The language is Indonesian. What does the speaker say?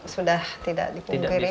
sudah tidak dipungkiri